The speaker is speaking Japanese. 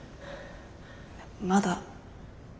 まだ。